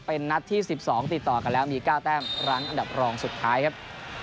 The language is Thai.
เป็นนัดที่๑๒ติดต่อกันแล้วมี๙แต้มรั้งอันดับรองสุดท้ายครับ